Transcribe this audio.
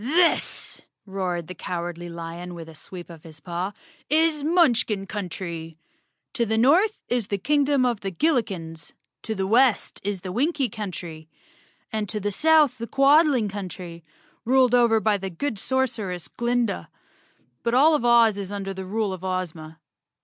"This," roared the Cowardly Lion with a sweep of his paw, "is the Munchkin Country. To the north is the Kingdom of the Gillikens, to the west is the Winkie Country and to the south the Quadling Country, ruled 119 The Cowardly Lion of Oz _ over by the good sorceress, Glinda. But all of Oz is under the rule of Ozma."